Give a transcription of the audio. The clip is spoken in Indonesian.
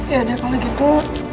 yaudah kalau gitu